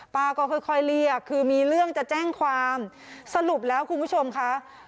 ป้าก็ค่อยเรียกคือมีเรื่องจะแจ้งความสรุปแล้วคุณผู้ชมค่ะ